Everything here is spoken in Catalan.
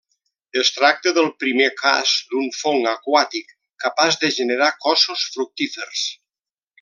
Es tracta del primer cas d'un fong aquàtic capaç de generar cossos fructífers.